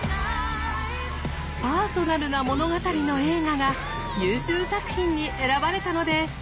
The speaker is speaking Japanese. パーソナルな物語の映画が優秀作品に選ばれたのです！